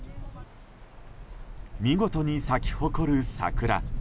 見事に咲き誇る桜。